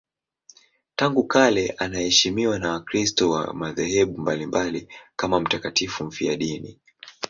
Tangu kale anaheshimiwa na Wakristo wa madhehebu mbalimbali kama mtakatifu mfiadini.